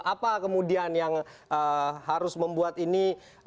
apa kemudian yang harus membuat ini